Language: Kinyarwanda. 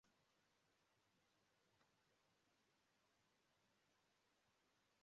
N ' imitozo isaga uruhimbi,